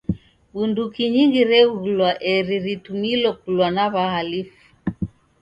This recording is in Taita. Bunduki nyingi regulwa eri ritumilo kulwa na w'ahalifu.